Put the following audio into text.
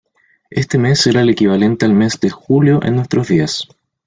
Este mes era el equivalente al mes de "julio" en nuestros días.